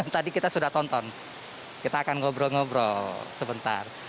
tadi kita sudah tonton kita akan ngobrol ngobrol sebentar